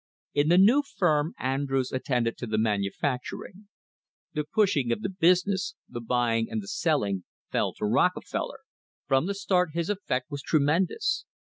In the new firm Andrews attended to the manufacturing. The pushing of the business, the buying and the selling, fell to Rockefeller. From the start his effect was tremendous.